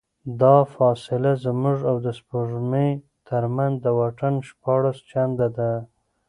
دا فاصله زموږ او د سپوږمۍ ترمنځ د واټن شپاړس چنده ده.